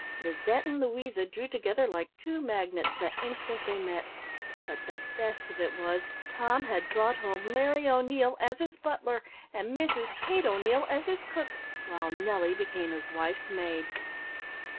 Lizette and Louisa drew together like two magnets, the instant they met. But the best of it was, Tom had brought home Larry O'Neil as his butler, and Mrs Kate O'Neil as his cook while Nelly became his wife's maid.